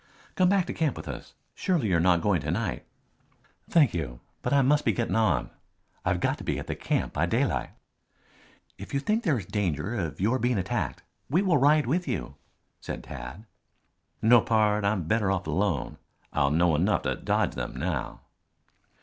"Come back to camp with us. Surely you are not going on to night?" "Thank you, but I must be getting on. I've got to be at the camp by daylight." "If you think there is danger of your being attacked, we will ride with you," said Tad. "No, pard, I'm better off alone. I'll know enough to dodge them now."